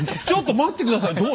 ちょっと待って下さい！